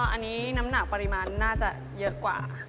อันนี้น้ำหนักปริมาณน่าจะเยอะกว่า